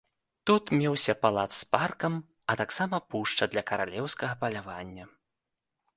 Тут меўся палац з паркам, а таксама пушча для каралеўскага палявання.